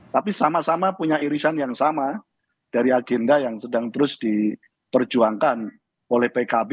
dan ini adalah pengurusan yang sama dari agenda yang sedang terus diperjuangkan oleh pkb